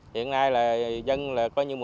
hiện nay là dân là coi như mùa mát